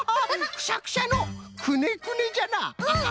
くしゃくしゃのくねくねじゃな！